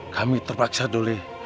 kami terpaksa doleh